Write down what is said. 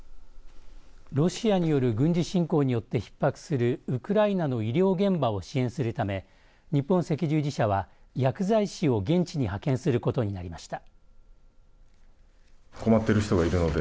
ロシアによる軍事侵攻によってひっ迫するウクライナの医療現場を支援するため日本赤十字社は薬剤師を現地に派遣することになりました。